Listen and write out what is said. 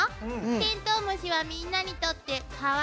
テントウムシはみんなにとってカワイイ